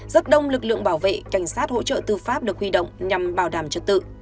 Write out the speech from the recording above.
rất đông lực lượng bảo vệ cảnh sát hỗ trợ tư pháp được huy động nhằm bảo đảm trật tự